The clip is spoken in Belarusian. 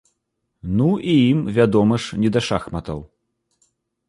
Ну, і ім, вядома ж, не да шахматаў.